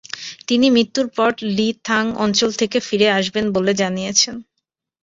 তিনি মৃত্যুর পর লি-থাং অঞ্চল থেকে ফিরে আসবেন বলে জানিয়েছিলেন।